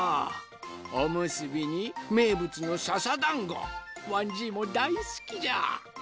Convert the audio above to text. おむすびにめいぶつのささだんごわんじいもだいすきじゃ！